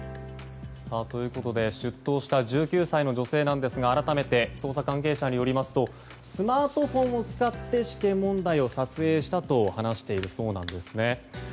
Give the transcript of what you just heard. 出頭した１９歳の女性ですが改めて捜査関係者によりますとスマートフォンを使って試験問題を撮影したと話しているそうです。